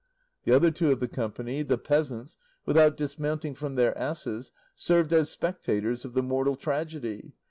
The other two of the company, the peasants, without dismounting from their asses, served as spectators of the mortal tragedy.